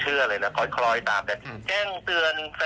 หรือว่าเป็นคนที่มีอายุหน่อยเนี่ยโดนให้ยุ่งแน่